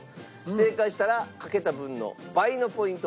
正解したらかけた分の倍のポイントをゲット。